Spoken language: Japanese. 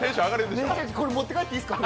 これ持ってかえっていいですか？